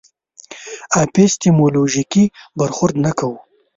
اپیستیمولوژیک برخورد نه کوي.